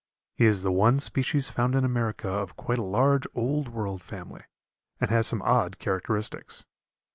He is the one species found in America of quite a large Old World family, and has some odd characteristics.